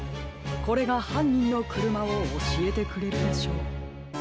これがはんにんのくるまをおしえてくれるでしょう。